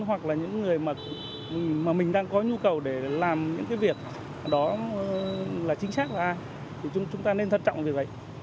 hoặc là những người mà mình đang có nhu cầu để làm những cái việc đó là chính xác là ai thì chúng ta nên thân trọng về vậy